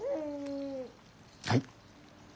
はい？